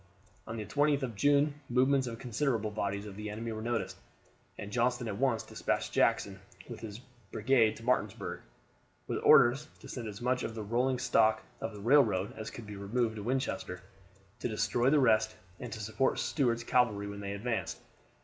On the 20th of June movements of considerable bodies of the enemy were noticed; and Johnston at once despatched Jackson with his brigade to Martinsburg, with orders to send as much of the rolling stock of the railroad as could be removed to Winchester, to destroy the rest, and to support Stuart's cavalry when they advanced.